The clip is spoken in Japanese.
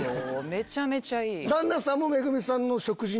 めちゃめちゃいい。